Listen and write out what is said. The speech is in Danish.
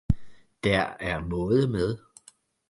Der er måde med